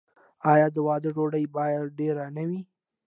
آیا د واده ډوډۍ باید ډیره نه وي؟